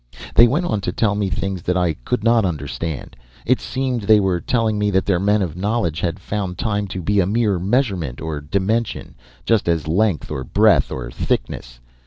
"They went on to tell me of things that I could not understand. It seemed they were telling that their men of knowledge had found time to be a mere measurement, or dimension, just as length or breadth or thickness.